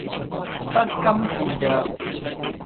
不甘示弱